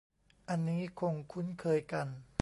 อันนี้คงคุ้นเคยกัน